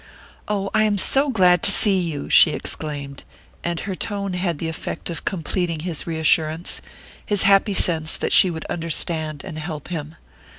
"Oh, I am so glad to see you!" she exclaimed; and her tone had the effect of completing his reassurance, his happy sense that she would understand and help him.